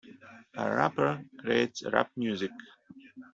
A rapper creates rap music.